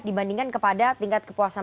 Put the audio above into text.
dibandingkan kepada tingkat kepuasan